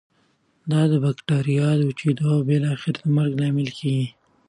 دا د بکټریا د وچیدو او بالاخره مرګ لامل کیږي.